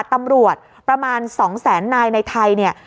ประมาณ๒แสนนายในไทยเนี่ย